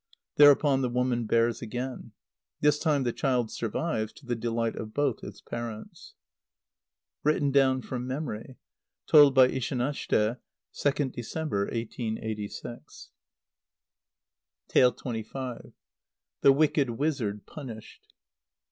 Thereupon the woman bears again. This time the child survives, to the delight of both its parents.] (Written down from memory. Told by Ishanashte, 2nd December, 1886.) xxv. _The Wicked Wizard punished.